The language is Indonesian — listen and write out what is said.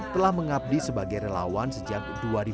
telah mengabdi sebagai relawan sejak dua ribu lima belas